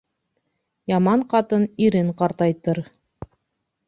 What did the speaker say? Яман ҡатын ирен ҡартайтыр